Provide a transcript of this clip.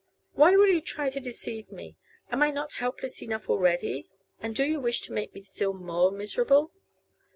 "Why will you try to deceive me? Am I not helpless enough already, and do you wish to make me still more miserable?"